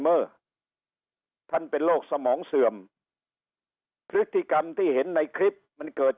เมื่อท่านเป็นโรคสมองเสื่อมพฤติกรรมที่เห็นในคลิปมันเกิด